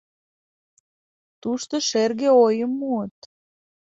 Тушто шерге ойым муыт.